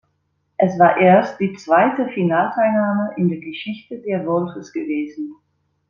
Es war erst die zweite Finalteilnahme in der Geschichte der Wolves gewesen.